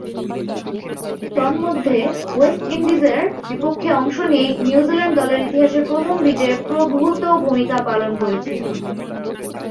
তন্মধ্যে, ওয়েস্ট ইন্ডিজের বিপক্ষে অংশ নিয়ে নিউজিল্যান্ড দলের ইতিহাসের প্রথম বিজয়ে প্রভূতঃ ভূমিকা পালন করেছিলেন।